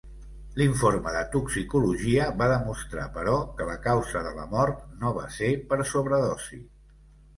L'informe de toxicologia va demostrar, però, que la causa de la mort no va ser per sobredosi.